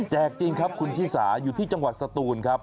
จริงครับคุณชิสาอยู่ที่จังหวัดสตูนครับ